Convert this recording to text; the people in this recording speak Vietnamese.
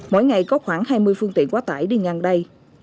mỗi ngày có khoảng hai mươi phương tiện quá tải đi ngang đây